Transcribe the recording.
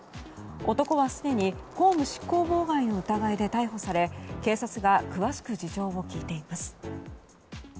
男はすでに公務執行妨害の疑いで逮捕され警察が詳しく事情を聴いています。